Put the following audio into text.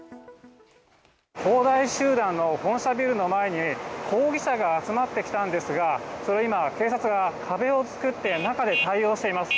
恒大集団の本社ビルの前に抗議者が集まってきたんですが今、警察が壁を作って中で対応しています。